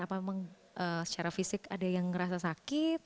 apa memang secara fisik ada yang ngerasa sakit